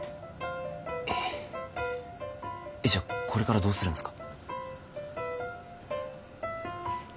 えじゃあこれからどうするんすか？